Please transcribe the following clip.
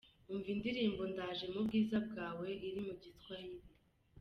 Umva indirimbo ’Ndaje mu bwiza bwawe’ iri mu Giswahili:.